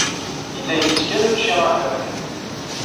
Yella ittett kan ucci aḥerfi.